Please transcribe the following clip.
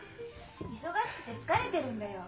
忙しくて疲れてるんだよ。